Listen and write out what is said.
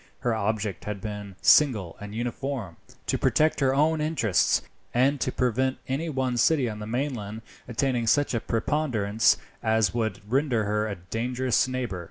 Her object had been single and uniform, to protect her own interests, and to prevent any one city on the mainland attaining such a preponderance as would render her a dangerous neighbour.